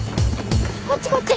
こっちこっち。